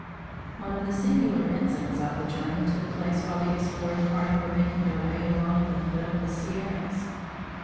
One of the singular incidents of the journey took place while the exploring party were making their way along the foot of the Sierras.